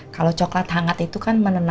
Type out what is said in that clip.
kalo coklat hangat itu kan menurut mama